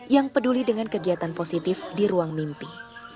yang peduli dengan kegiatan positif di ruang mimpi